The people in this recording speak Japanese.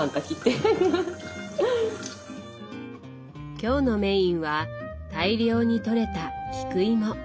今日のメインは大量にとれた菊芋。